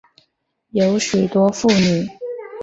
有许多妇女